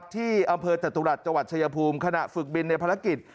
ที่อำเภอตตุรัฐจชยภูมิขณะฝึกบินในภารกิจ